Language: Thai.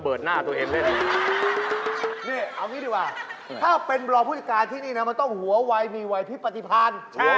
เอางี้ดีกว่าถ้าเป็นบอร์บุสิการที่นี่มันต้องหัวใหม่มีวัยที่ปฏิพาณ